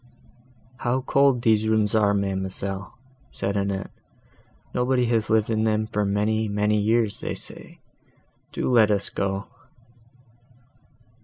"How cold these rooms are, ma'amselle!" said Annette: "nobody has lived in them for many, many years, they say. Do let us go."